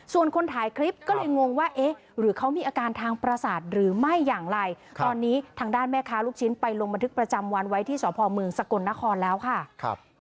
ส่วนคนถ่ายคลิปก็เลยงงว่าเอ๊ะหรือเขามีอาการทางประสาทหรือไม่อย่างไรตอนนี้ทางด้านแม่ค้าลูกชิ้นไปลงบันทึกประจำวันไว้ที่สพเมืองสกลนครแล้วค่ะ